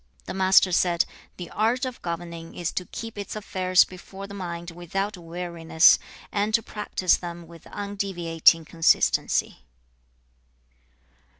The Master said, 'The art of governing is to keep its affairs before the mind without weariness, and to practise them with undeviating consistency.'